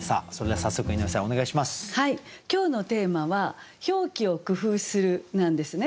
はい今日のテーマは「表記を工夫する」なんですね。